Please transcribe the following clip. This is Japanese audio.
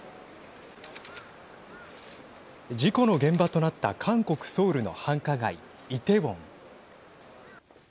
事故の現場となった韓国ソウルの繁華街イテウォン。